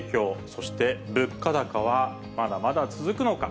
そして物価高はまだまだ続くのか。